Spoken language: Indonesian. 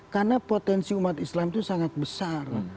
karena potensi umat islam itu sangat besar